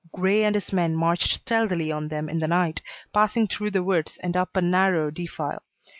"Grey and his men marched stealthily on them in the night, passing through the woods and up a narrow defile.